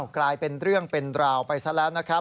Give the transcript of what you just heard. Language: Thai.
กลายเป็นเรื่องเป็นราวไปซะแล้วนะครับ